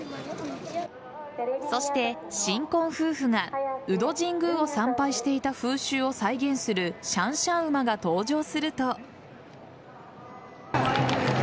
そして新婚夫婦が鵜戸神宮を参拝していた風習を再現するシャンシャン馬が登場すると。